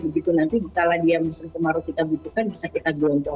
begitu nanti jika lagi yang musim kemarau kita butuhkan bisa kita ganti